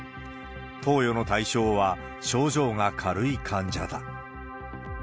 投与の対象は、症状が軽い患者だ。